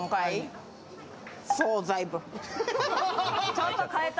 ちょっと変えた。